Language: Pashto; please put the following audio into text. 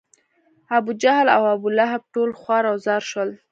ابوجهل او ابولهب ټول خوار و زار شول.